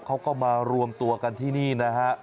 เขาก็มารวมตัวกันที่นี่นะฮะ